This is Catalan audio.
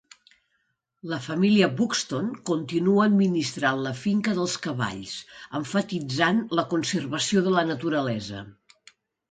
La família Buxton continua administrant la finca dels cavalls, emfatitzant la conservació de la naturalesa.